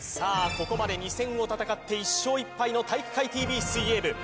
ここまで２戦を戦って１勝１敗の体育会ＴＶ水泳部